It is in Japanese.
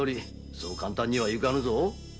そう簡単にはいかぬぞ。